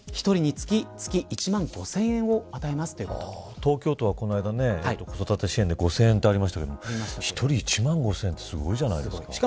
東京都はこないだ子育て支援で５０００円とありましたけど１人１万５０００円ってすごいじゃないですか。